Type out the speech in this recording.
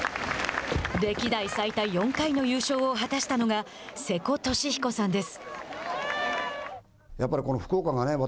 歴代最多４回の優勝を果たしたのが瀬古利彦さんです。